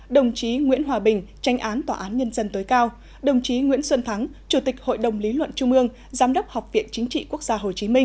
đồng chí nguyễn hòa bình tranh án tòa án nhân dân tối cao đồng chí nguyễn xuân thắng chủ tịch hội đồng lý luận trung ương giám đốc học viện chính trị quốc gia hồ chí minh